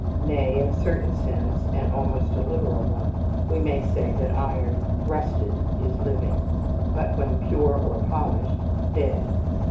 Nay, in a certain sense, and almost a literal one, we may say that iron rusted is Living; but when pure or polished, Dead.